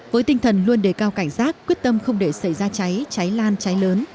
với tinh thần luôn đề cao cảnh giác quyết tâm không để xảy ra cháy lan cháy lớn